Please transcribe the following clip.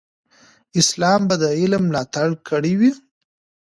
اسلام به د علم ملاتړ کړی وي.